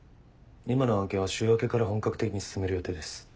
今の案件は週明けから本格的に進める予定です。